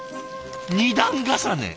２段重ね！